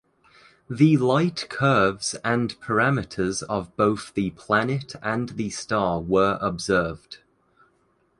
The light curves and parameters of both the planet and the star were observed.